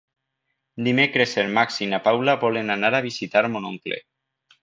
Dimecres en Max i na Paula volen anar a visitar mon oncle.